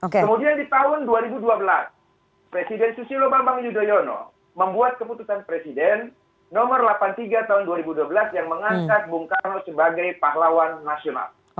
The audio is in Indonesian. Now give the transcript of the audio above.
kemudian di tahun dua ribu dua belas presiden susilo bambang yudhoyono membuat keputusan presiden nomor delapan puluh tiga tahun dua ribu dua belas yang mengangkat bung karno sebagai pahlawan nasional